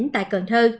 tại cần thơ